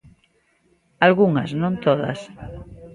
Algunhas, non todas.